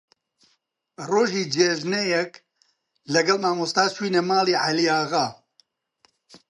ڕۆژی جێژنەیەک لەگەڵ مامۆستا چووینە ماڵی عەلیاغا